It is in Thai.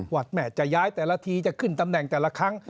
แม่จะย้ายแต่ละทีจะขึ้นตำแหน่งแต่ละครั้ง